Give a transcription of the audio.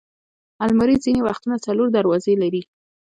الماري ځینې وخت څلور دروازې لري